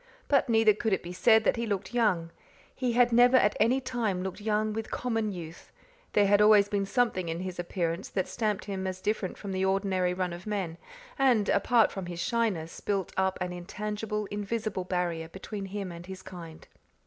But neither could it be said that he looked young; he had never at any time looked young with common youth; there had always been something in his appearance that stamped him as different from the ordinary run of men, and, apart from his shyness, built up an intangible, invisible barrier between him and his kind.